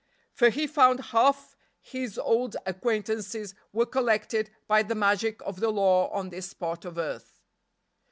For he found half his old acquaintances were collected by the magic of the law on this spot of earth.